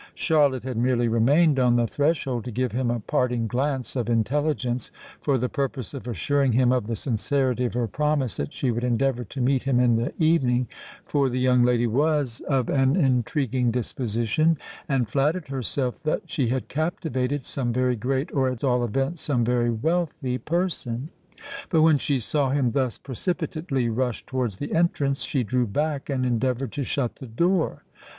Charlotte had merely remained on the threshold to give him a parting glance of intelligence for the purpose of assuring him of the sincerity of her promise that she would endeavour to meet him in the evening,—for the young lady was of an intriguing disposition, and flattered herself that she had captivated some very great, or at all events some very wealthy person:—but, when she saw him thus precipitately rush towards the entrance, she drew back and endeavoured to shut the door.